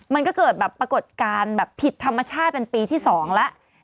มันก็เกิดแบบปรากฏการณ์แบบผิดธรรมชาติเป็นปีที่๒แล้ว